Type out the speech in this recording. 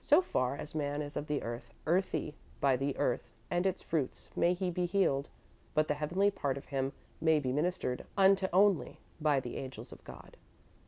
So far as man is of the earth, earthy, by the earth and its fruits may he be healed, but the heavenly part of him may be ministered unto only by the angels of God.